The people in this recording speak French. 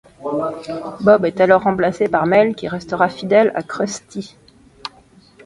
Bob est alors remplacé par Mel, qui restera fidèle à Krusty.